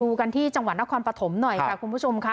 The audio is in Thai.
ดูกันที่จังหวัดนครปฐมหน่อยค่ะคุณผู้ชมค่ะ